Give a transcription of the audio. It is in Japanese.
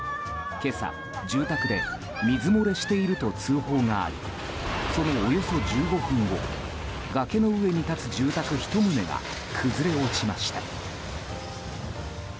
今朝、住宅で水漏れしていると通報がありそのおよそ１５分後崖の上に立つ住宅１棟が崩れ落ちました。